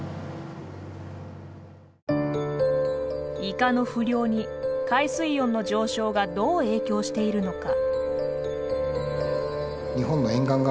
イカの不漁に海水温の上昇がどう影響しているのか。